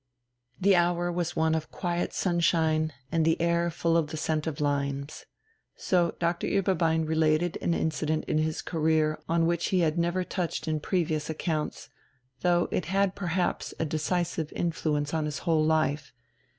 The hour was one of quiet sunshine, and the air full of the scent of limes. So Doctor Ueberbein related an incident in his career on which he had never touched in previous accounts, though it had perhaps a decisive influence on his whole life.